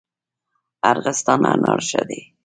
ارغستان انار ښه دي؟